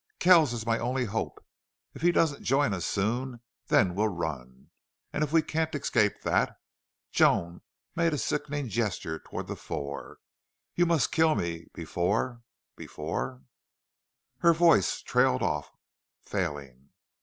"Kells is my only hope!... If he doesn't join us soon then we'll run!... And if we can't escape that" Joan made a sickening gesture toward the fore "you must kill me before before " Her voice trailed off, failing.